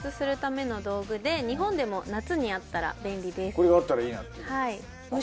これがあったらいいなっていう